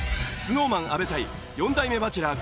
ＳｎｏｗＭａｎ阿部対４代目バチェラー